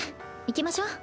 行きましょう。